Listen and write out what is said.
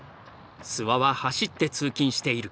諏訪は走って通勤している。